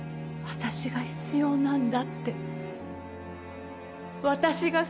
私が全てなんだって。